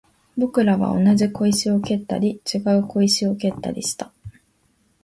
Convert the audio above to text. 僕らは同じ小石を蹴ったり、違う小石を蹴ったりした